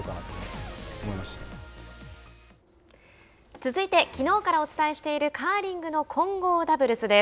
続いてきのうからお伝えしているカーリングの混合ダブルスです。